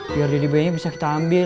biar dede baginya bisa kita ambil